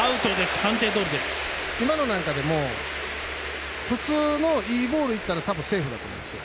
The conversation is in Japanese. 今のなんかでも普通のいいボールいったらたぶんセーフだと思います。